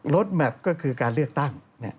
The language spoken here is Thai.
แมพก็คือการเลือกตั้ง